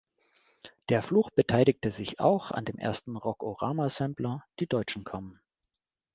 Der Fluch beteiligte sich auch an dem ersten Rock-O-Rama-Sampler "Die Deutschen kommen".